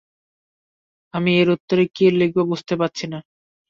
আমি এর উত্তরে কি লিখব বুঝতে পাচ্ছি না।